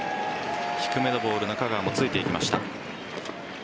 低めのボール中川もついていきました。